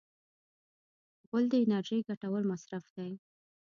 غول د انرژۍ ګټور مصرف دی.